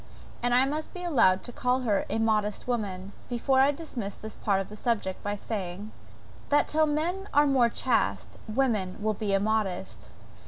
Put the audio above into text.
And I must be allowed to call her a modest woman, before I dismiss this part of the subject, by saying, that till men are more chaste, women will be immodest.